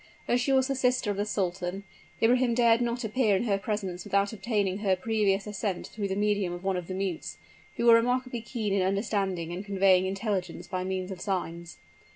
As she was the sister of the sultan, Ibrahim dared not appear in her presence without obtaining her previous assent through the medium of one of the mutes, who were remarkably keen in understanding and conveying intelligence by means of signs.